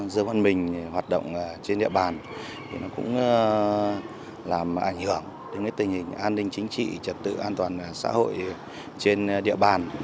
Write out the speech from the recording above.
dương văn mình hoạt động trên địa bàn thì nó cũng làm ảnh hưởng đến tình hình an ninh chính trị trật tự an toàn xã hội trên địa bàn